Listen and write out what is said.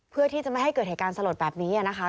เพื่อที่จะไม่ให้เกิดเหตุการณ์สลดแบบนี้นะคะ